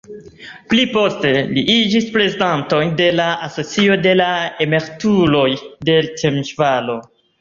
Pli poste li iĝis prezidanto de la asocio de la emerituloj de Temeŝvaro.